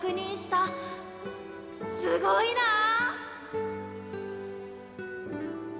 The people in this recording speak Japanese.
すごいなあ。